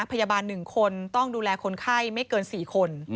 พยาบาลหนึ่งคนต้องดูแลคนไข้ไม่เกินสี่คน